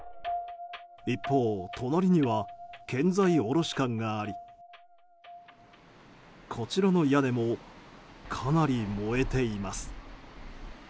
一方、隣には建材卸館がありこちらの屋根もかなり燃えています。